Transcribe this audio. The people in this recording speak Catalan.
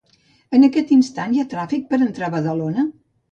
En aquest instant, hi ha tràfic per entrar a Badalona?